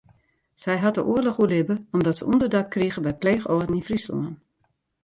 Sy hat de oarloch oerlibbe omdat se ûnderdak krige by pleechâlden yn Fryslân.